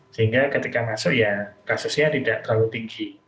sehingga ketika masuk ya kasusnya tidak terlalu tinggi